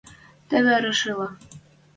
Теве арышыла